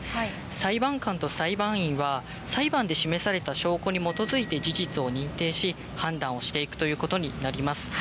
裁判官と裁判員は裁判で示された証拠に基づいて事実を認定し判断をしていくということになります。